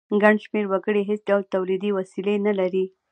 ګڼ شمیر وګړي هیڅ ډول تولیدي وسیلې نه لري.